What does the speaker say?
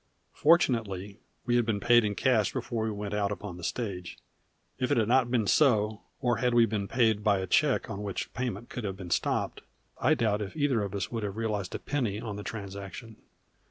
Fortunately we had been paid in cash before we went out upon the stage. If it had not been so, or had we been paid by a check on which payment could have been stopped, I doubt if either of us would have realized a penny on the transaction.